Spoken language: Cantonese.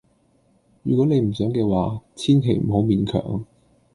如果你唔想嘅話，千祈唔好勉強。